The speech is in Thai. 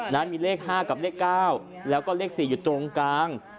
นั้นมีเลข๕กับเลข๙แล้วก็เลข๔อยู่ตรงกลาง